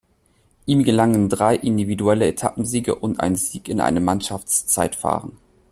Ihm gelangen drei individuelle Etappensiege und ein Sieg in einem Mannschaftszeitfahren.